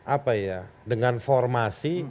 apa ya dengan formasi